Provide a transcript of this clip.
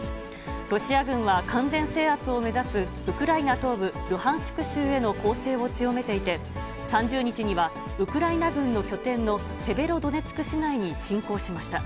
ロシア軍は完全制圧を目指すウクライナ東部ルハンシク州への攻勢を強めていて、３０日にはウクライナ軍の拠点のセベロドネツク市内に侵攻しました。